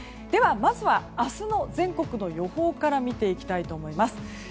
では、明日の全国の予報から見ていきたいと思います。